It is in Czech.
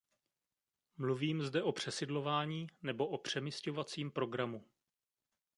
Mluvím zde o přesidlování nebo o přemisťovacím programu.